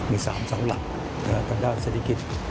มี๓เสาหลักทางด้านเศรษฐกิจ